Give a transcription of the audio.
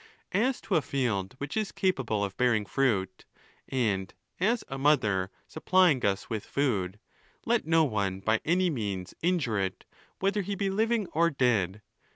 As to a field which is capable of bearing fruit, and, as a mother, sup plying us with food, let no one by any means injure it, whether he be living or dead.